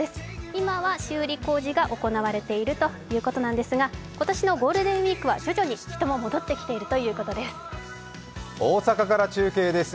今は修理工事が行われているということなんですが今年のゴールデンウイークは徐々に人が戻ってきているということです。